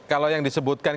kalau yang disebutkan